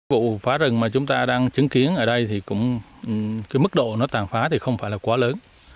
vụ phá rừng mà chúng ta đang chứng kiến ở đây thì cũng cái mức độ nó tàn phá thì không phải là quá lớn